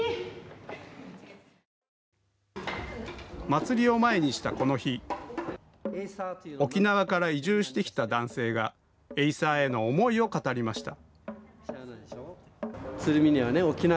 祭りを前にしたこの日沖縄から移住してきた男性がエイサーへの思いを語りました。